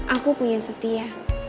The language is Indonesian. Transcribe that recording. aku punya setia